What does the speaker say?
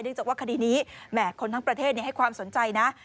จากว่าคดีนี้แหมคนทั้งประเทศให้ความสนใจนะ